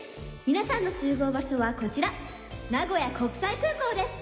皆さんの集合場所はこちら名古屋国際空港です。